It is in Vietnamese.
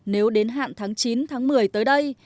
nếu đến hạn tháng chín tháng một mươi tới đây